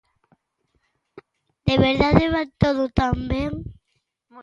¿De verdade vai todo tan ben?